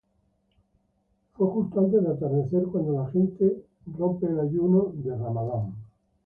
Fue justo antes del atardecer, cuando la gente a romper el ayuno del Ramadán".